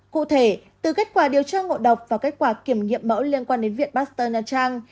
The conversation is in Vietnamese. cụ thể từ kết quả điều tra ngộ độc và kết quả kiểm nghiệm mẫu liên quan đến viện pasteur nha trang